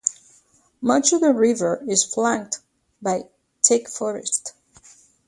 Much of the river is flanked by thick forests.